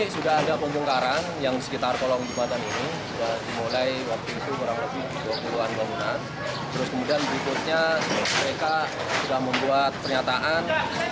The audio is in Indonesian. setelah lebaran yaitu tanggal sepuluh juli membuat pernyataan